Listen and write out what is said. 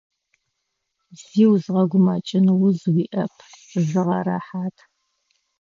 Зи узгъэгумэкӏын уз уиӏэп, зыгъэрэхьат.